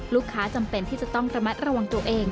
จำเป็นที่จะต้องระมัดระวังตัวเอง